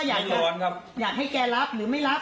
อยากให้แกรับหรือไม่รับ